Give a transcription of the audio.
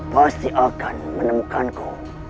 pasti akan menemukanku